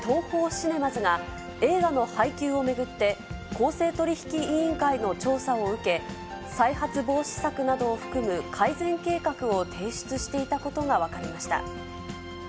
シネマズが、映画の配給を巡って、公正取引委員会の調査を受け、再発防止策などを含む改善計画を提出していたことが分かりました。